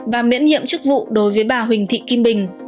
và miễn nhiệm chức vụ đối với bà huỳnh thị kim bình